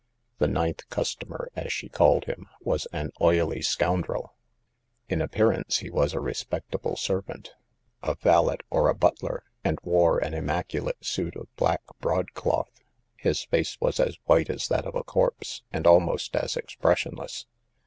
The ninth customer — as she called him — was an oily scoundrel. In appearance he was a respect able servant — a valet or a butler — and wore an immaculate suit of black broad cloth. His face was as white as that of a corpse, and almost as expressionless.